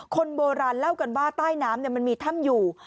คนโบราณเล่ากันว่าใต้น้ำมันมีถ้ำอยู่